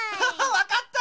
わかった！